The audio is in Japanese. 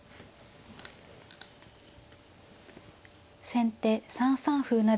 先手３三歩成。